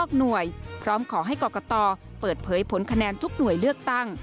หน่วยพร้อมขอให้กรกตเปิดเผยผลคะแนนทุกหน่วยเลือกตั้ง